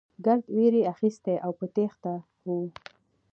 ګرد وېرې اخيستي او په تېښته وو.